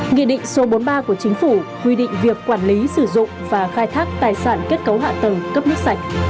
nghị định số bốn mươi ba của chính phủ quy định việc quản lý sử dụng và khai thác tài sản kết cấu hạ tầng cấp nước sạch